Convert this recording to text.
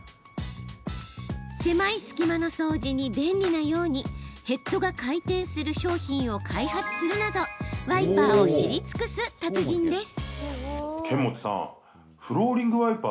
狭い隙間の掃除に便利なようにヘッドが回転する商品を開発するなどワイパーを知り尽くす達人です。